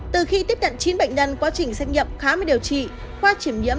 từ khi tiếp nhận chín bệnh nhân quá trình xét nghiệm khám và điều trị khoa chuyển nhiễm